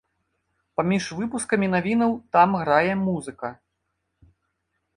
Паміж выпускамі навінаў там грае музыка.